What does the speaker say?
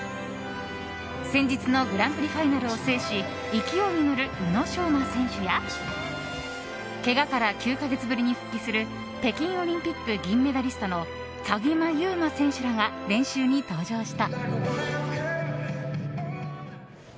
先日のグランプリファイナルを制し勢いに乗る宇野昌磨選手やけがから９か月ぶりに復帰する北京オリンピック銀メダリストの鍵山優真選手らが練習に登場した。